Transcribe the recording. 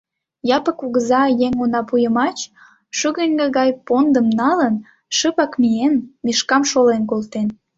Япык кугыза еҥ онапу йымач, шугыньо гай пондым налын, шыпак миен, Мишкам шолен колтен.